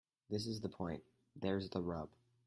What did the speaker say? This is the point. There's the rub.